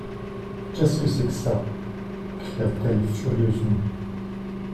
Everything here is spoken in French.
Qu'est-ce que c'est que ça ? cria-t-elle furieusement.